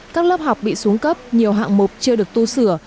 các lớp học bị xuống cấp nhiều hạng mục chưa được tu sửa